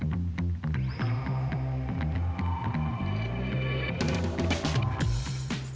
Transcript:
itu adalah perlawanan kemampuan